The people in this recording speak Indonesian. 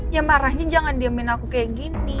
ya marahnya jangan diemin aku kayak gini